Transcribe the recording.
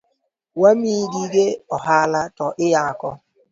Wamiyi gige ohala to iyako?